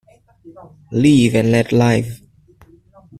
Live and let live.